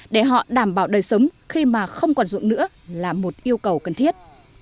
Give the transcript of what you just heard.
để họ đảm bảo đời sống khi mà không còn ruộng nữa là một yêu cầu cần thiết